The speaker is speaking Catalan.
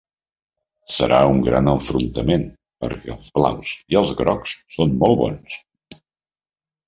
Serà un gran enfrontament perquè els blaus i els grocs són molt bons.